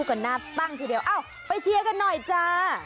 โอ้โฮโฮโฮโฮโฮ